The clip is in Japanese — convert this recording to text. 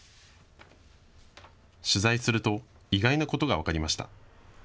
取材すると意外なことが分かりました。